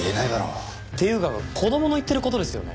っていうか子供の言ってる事ですよね。